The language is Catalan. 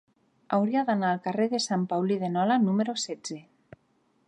Hauria d'anar al carrer de Sant Paulí de Nola número setze.